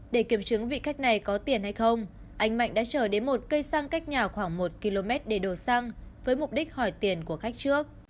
để kiểm chứng vị khách này có tiền hay không anh mạnh đã trở đến một cây xăng cách nhà khoảng một km để đổ xăng với mục đích hỏi tiền của khách trước